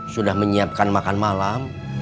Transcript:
sudah menyiapkan makan malam